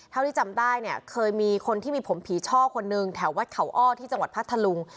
เท่าที่จำได้เนี่ยเคยมีคนที่มีผมผีช่อคนนึงแถววัดเขาอ้อที่จังหวัดพัทธลุง